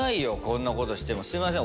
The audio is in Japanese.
こんなことしても。